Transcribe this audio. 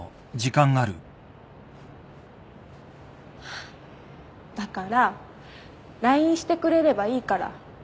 ハァだからＬＩＮＥしてくれればいいから。